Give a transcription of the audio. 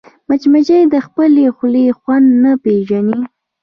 مچمچۍ د خپلې خولې خوند نه پېژني